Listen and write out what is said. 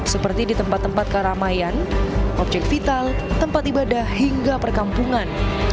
seperti di tempat tempat keramaian objek vital tempat ibadah hingga perkampungan